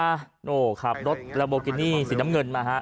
ปอล์กับโรเบิร์ตหน่อยไหมครับ